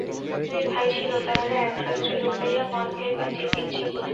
দুই ভাই ছিল, তাহারা এক রাত্রে লুকাইয়া মদ খাইবার ইচ্ছা করিল।